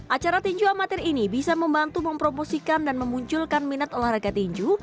acara tinju amatir ini bisa membantu mempromosikan dan memunculkan minat olahraga tinju